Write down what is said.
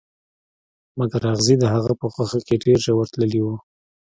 مګر اغزي د هغه په غوښه کې ډیر ژور تللي وو